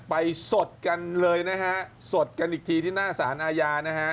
สดกันเลยนะฮะสดกันอีกทีที่หน้าสารอาญานะฮะ